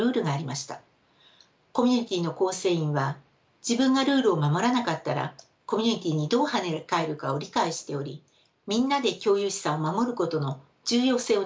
コミュニティーの構成員は自分がルールを守らなかったらコミュニティーにどうはね返るかを理解しておりみんなで共有資産を守ることの重要性を認識していました。